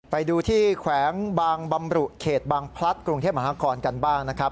ไปดูที่แขวงบางบำรุเขตบางพลัดกรุงเทพมหานครกันบ้างนะครับ